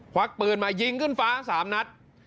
วักปืนมายิงขึ้นฟ้า๓นัด